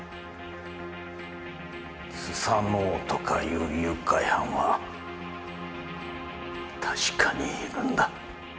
須佐之男とかいう誘拐犯は確かにいるんだ。